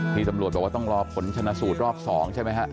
ที่ตำรวจบอกว่าต้องรอผลชนะสูตรรอบ๒ใช่ไหมฮะ